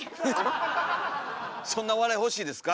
そんな笑い欲しいですか？